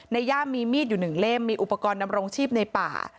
ย่ามีมีดอยู่หนึ่งเล่มมีอุปกรณ์ดำรงชีพในป่า